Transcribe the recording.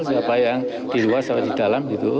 siapa yang di luar siapa yang di dalam